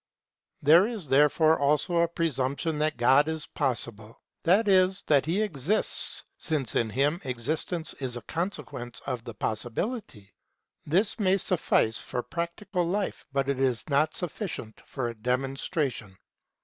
There is therefore also a presumption that God is possible, that is, that he exists, since in him existence is a consequence of the possibility. This may suffice for practical life but it is not sufficient for a demonstration.